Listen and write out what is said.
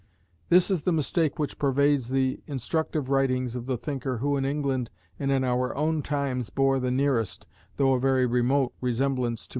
This is the mistake which pervades the instructive writings of the thinker who in England and in our own times bore the nearest, though a very remote, resemblance to M.